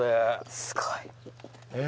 すごい。え！